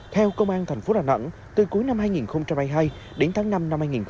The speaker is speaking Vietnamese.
theo công an thành phố đà nẵng từ cuối năm hai nghìn hai mươi hai đến tháng năm năm hai nghìn hai mươi ba